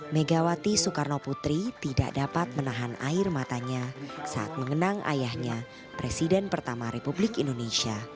megawati soekarno putri tidak dapat menahan air matanya saat mengenang ayahnya presiden pertama republik indonesia